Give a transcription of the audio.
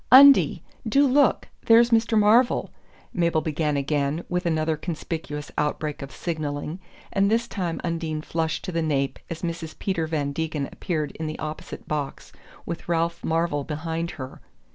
"Undie, do look there's Mr. Marvell!" Mabel began again, with another conspicuous outbreak of signalling; and this time Undine flushed to the nape as Mrs. Peter Van Degen appeared in the opposite box with Ralph Marvell behind her.